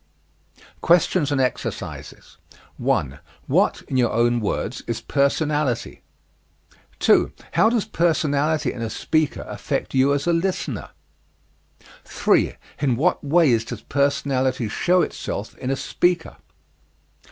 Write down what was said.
QUESTIONS AND EXERCISES 1. What, in your own words, is personality? 2. How does personality in a speaker affect you as a listener? 3. In what ways does personality show itself in a speaker?